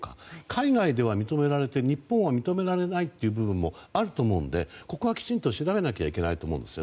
海外では、認められて日本では認められない部分もあるとは思うのでここはきちんと調べないといけないと思います。